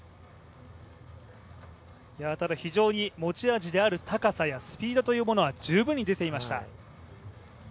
非常に持ち味である高さやスピードは十分に出ていました。